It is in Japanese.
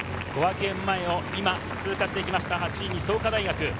小涌園前を今通過していきました、８位に創価大学。